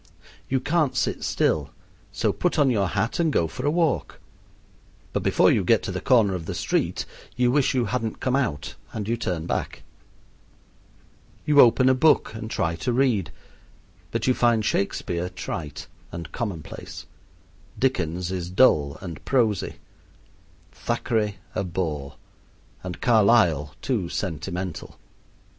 You can't sit still so put on your hat and go for a walk; but before you get to the corner of the street you wish you hadn't come out and you turn back. You open a book and try to read, but you find Shakespeare trite and commonplace, Dickens is dull and prosy, Thackeray a bore, and Carlyle too sentimental.